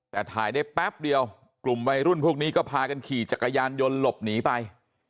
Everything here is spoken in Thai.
แต่ถ่ายได้แป๊บเดียวกลุ่มวัยรุ่นพวกนี้ก็พากันขี่จักรยานยนต์หลบหนีไป